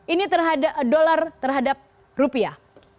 ini dollar terhadap rupiah